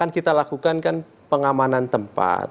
kita melakukan pengamanan tempat